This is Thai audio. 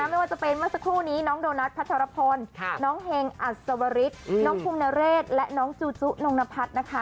ไม่ว่าจะเป็นเมื่อสักครู่นี้น้องโดนัทพัทรพลน้องเฮงอัศวริสน้องภูมินเรศและน้องจูจุนงนพัฒน์นะคะ